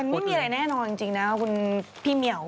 ไม่มีอะไรแน่นอนจริงนะคุณพี่เหมียว